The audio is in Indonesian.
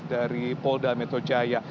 dari polda metojaya